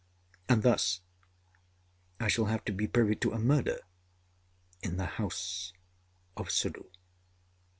And thus I shall have to be privy to a murder in the House of Suddhoo.